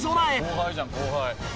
「後輩じゃん後輩」